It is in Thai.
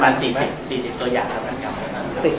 สวัสดีครับ